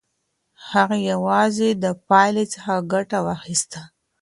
هغې یوازې د پایلې څخه ګټه واخیسته.